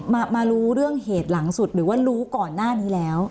มารู้เรื่องเหตุหลังสุดหรือว่ารู้ก่อนหน้านี้แล้ว